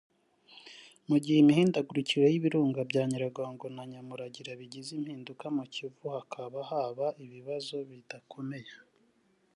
mu gihe imihindagurikire y’ibirunga bya Nyiragongo na Nyamuragira bigize impinduka mu Kivu hakaba haba ibibazo bidakomeye